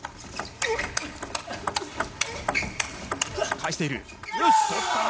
返している、よし！